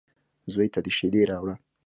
_زوی ته دې شېدې راوړه.